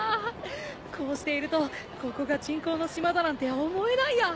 こうしているとここが人工の島だなんて思えないや。